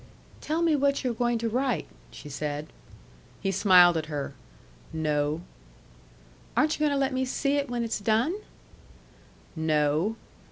"Tell me what you're going to write," she said. He smiled at her. "No." "Aren't you going to let me see it when it's done?" "No."